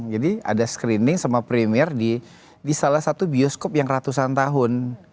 jadi ada screening sama premier di salah satu bioskop yang ratusan tahun